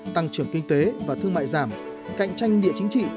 tăng trưởng kinh tế và thương mại giảm cạnh tranh địa chính trị